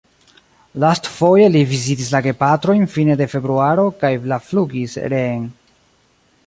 Lastfoje li vizitis la gepatrojn fine de februaro kaj la flugis reen.